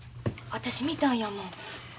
私見たんやもん。